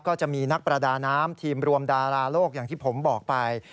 ก็จะมีนักประดาน้ำทีมรวมดาราโลกอย่างที่ผมบอกไป